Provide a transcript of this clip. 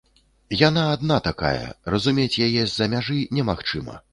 Яна адна такая, разумець яе з-за мяжы немагчыма.